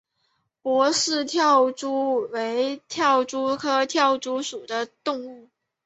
波氏跳蛛为跳蛛科跳蛛属的动物。